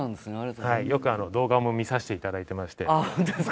よく動画も見させて頂いてまして。